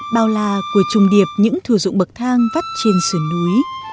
bao la của trùng điệp những thừa dụng bậc thang vắt trên sườn núi